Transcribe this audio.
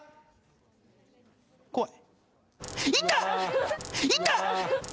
怖い。